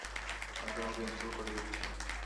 আমি তোমাকে ইনস্টল করে দিচ্ছি।